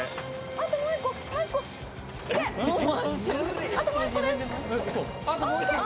あともう１個ですえっ